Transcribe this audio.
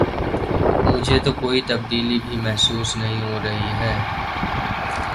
مجھے تو کوئی تبدیلی بھی محسوس نہیں ہو رہی ہے۔